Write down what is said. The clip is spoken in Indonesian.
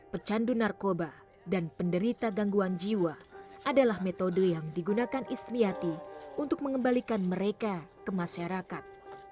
pecandu narkoba dan penderita gangguan jiwa adalah metode yang digunakan ismiati untuk mengembalikan mereka ke masyarakat